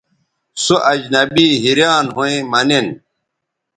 سو اجنبی حیریان َھویں مہ نِن